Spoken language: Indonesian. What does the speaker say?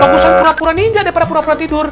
bagusan pura pura ninja daripada pura pura tidur